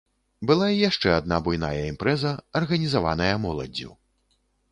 Была і яшчэ адна буйная імпрэза, арганізаваная моладдзю.